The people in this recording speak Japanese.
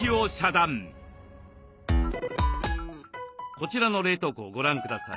こちらの冷凍庫をご覧ください。